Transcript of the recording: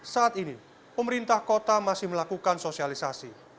saat ini pemerintah kota masih melakukan sosialisasi